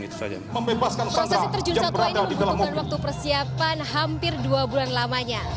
proses terjun satwa ini membutuhkan waktu persiapan hampir dua bulan lamanya